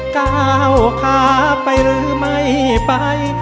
ก้าวขาไปหรือไม่ไป